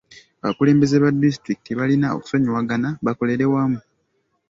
Abakulembeze ba disitulikiti balina okusonyiwagana bakolere wamu.